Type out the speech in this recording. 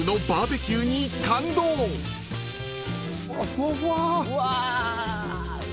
ふわふわ。